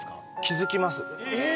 気づきます